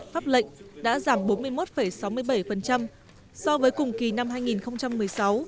pháp lệnh đã giảm bốn mươi một sáu mươi bảy so với cùng kỳ năm hai nghìn một mươi sáu